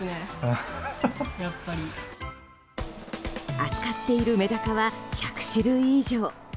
扱っているメダカは１００種類以上。